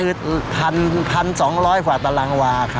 คือ๑๒๐๐กว่าปรังวาค่ะ